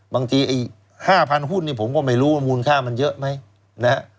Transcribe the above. บางที๕๐๐๐หุ้นผมก็ไม่รู้ว่ามูลค่ามันเยอะไหม